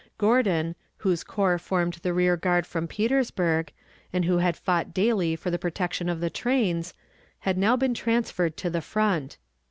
Gordon, whose corps formed the rear guard from Petersburg, and who had fought daily for the protection of the trains, had now been transferred to the front.